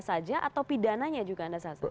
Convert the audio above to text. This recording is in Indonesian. saja atau pidananya juga anda sasar